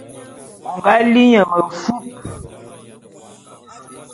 O nga li nye mefup.